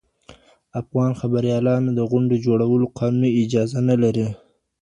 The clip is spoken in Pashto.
افغان خبریالان د غونډو جوړولو قانوني اجازه نه لري.